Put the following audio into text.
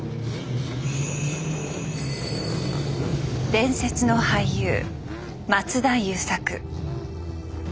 伝説の俳優松田優作。